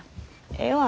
ええわ。